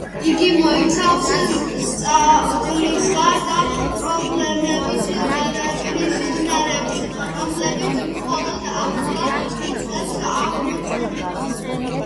იგი მოიცავს სწავლისა და პრობლემების გადაჭრის უნარებს, რომლებიც მხოლოდ ახლა იწყებს აღმოცენებას.